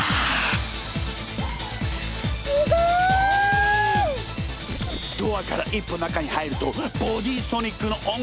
すごい！ドアから一歩中に入るとボディーソニックの音響設備！